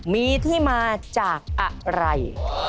มีที่มาจากอะไร